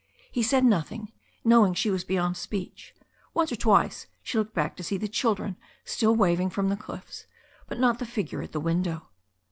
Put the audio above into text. He said nothing, knowing she was beyond speech. Once or twice she looked back to see the children still waving from the cliffs, but not the figure at the window.